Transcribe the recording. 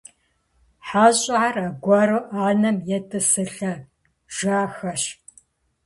Хьэщӏэхэр аргуэру ӏэнэм етӏысылӏэжахэщ.